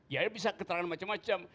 ya bisa keterangan macam macam